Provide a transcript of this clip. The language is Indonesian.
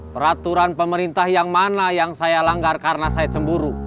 peraturan pemerintah yang mana yang saya langgar karena saya cemburu